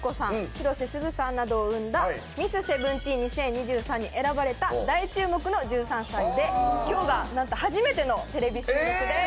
広瀬すずさんなどを生んだミスセブンティーン２０２３に選ばれた大注目の１３歳で今日がなんと初めてのテレビ収録です。